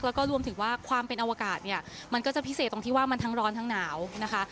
แล้วก็รวมถึงว่าความเป็นอวกาศเนี่ยมันก็จะพิเศษตรงที่ว่ามันทั้งร้อนทั้งหนาวนะคะ